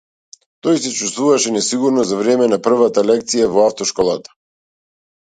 Тој се чувствуваше несигурно за време на првата лекција во автошколата.